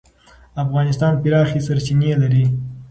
افغانستان پراخې سرچینې لري.